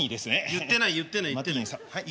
言ってない言ってない言ってない。